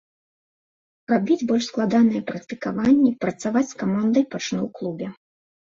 Рабіць больш складаныя практыкаванні, працаваць з камандай пачну ў клубе.